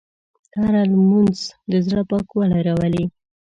هره لمونځ د زړه پاکوالی راولي.